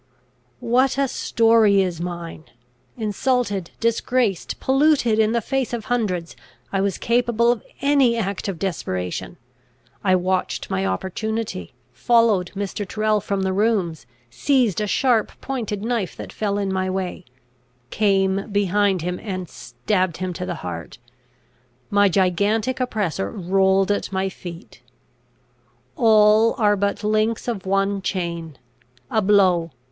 "What a story is mine! Insulted, disgraced, polluted in the face of hundreds, I was capable of any act of desperation. I watched my opportunity, followed Mr. Tyrrel from the rooms, seized a sharp pointed knife that fell in my way, came behind him, and stabbed him to the heart. My gigantic oppressor rolled at my feet. "All are but links of one chain. A blow!